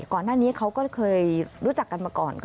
ก่อนหน้านี้เขาก็เคยรู้จักกันมาก่อน